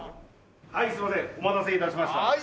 はいすいませんお待たせ致しました。